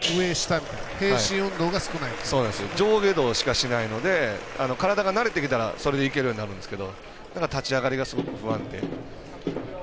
上下動しかしないので体が慣れてきたらそれでいけるんですけど、だから立ち上がりがすごく不安定。